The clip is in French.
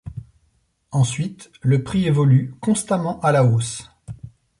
Ensuite le prix évolue constamment à la hausse.